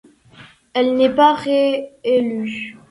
Elle n'est pas réélue.